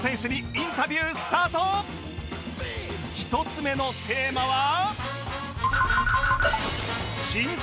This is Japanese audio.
１つ目のテーマは